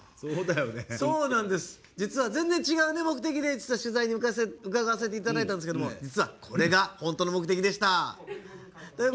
実は全然違う目的で取材に伺わせていただいたんですが実はこれが本当の目的でした。